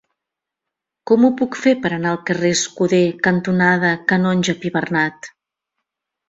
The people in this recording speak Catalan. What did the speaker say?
Com ho puc fer per anar al carrer Escuder cantonada Canonge Pibernat?